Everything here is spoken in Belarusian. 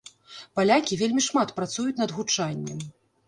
Палякі вельмі шмат працуюць над гучаннем.